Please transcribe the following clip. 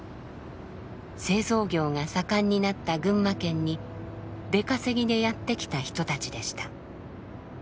製造業が盛んになった群馬県に出稼ぎでやって来た人たちでした。